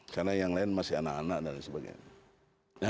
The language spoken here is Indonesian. karena yang lain masih anak anak dan sebagainya